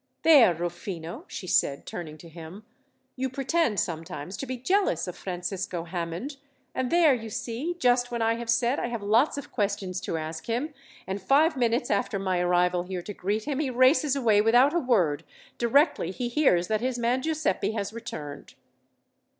"There, Rufino," she said, turning to him, "you pretend sometimes to be jealous of Francisco Hammond; and there, you see, just when I have said I have lots of questions to ask him, and five minutes after my arrival here to greet him, he races away without a word, directly he hears that his man Giuseppi has returned."